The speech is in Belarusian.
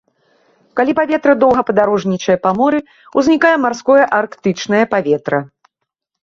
Калі паветра доўга падарожнічае па моры, узнікае марское арктычнае паветра.